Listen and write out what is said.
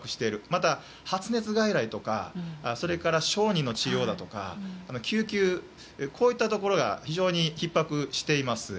また、発熱外来とか小児の治療だとか救急といったところが非常にひっ迫しています。